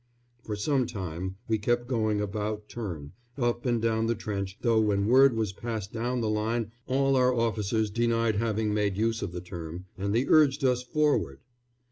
For some time we kept going "about turn," up and down the trench, though when word was passed down the line all our officers denied having made use of the term, and they urged us forward.